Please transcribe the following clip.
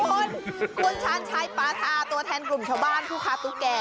คุณคุณชาญชัยปาธาตัวแทนกลุ่มชาวบ้านผู้ค้าตุ๊กแก่